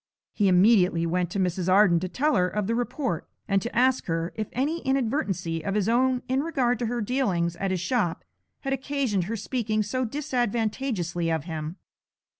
He immediately went to Mrs. Arden to tell her of the report, and to ask her if any inadvertency of his own in regard to her dealings at his shop had occasioned her speaking so disadvantageously of him.